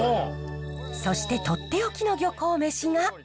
そして取って置きの漁港めしが。